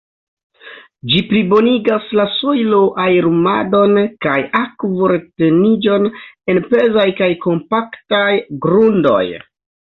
Ĝi plibonigas la sojlo-aerumadon kaj akvo-reteniĝon en pezaj kaj kompaktaj grundoj.